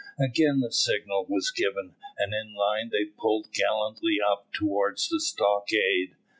Again the signal was given, and in line they pulled gallantly up towards the stockade.